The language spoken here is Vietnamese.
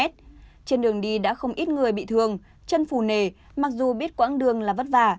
trên đường đi đã không ít người bị thương chân phù nề mặc dù biết quãng đường là vất vả